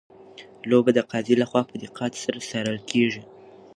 لوبه د قاضي لخوا په دقت سره څارل کیږي.